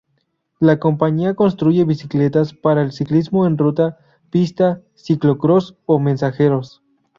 La compañía construye bicicletas para el ciclismo en ruta, pista, ciclo-cross o mensajeros.